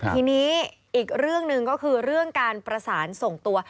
ทีนี้อีกเรื่องหนึ่งก็คือเรื่องการประสานส่งตัว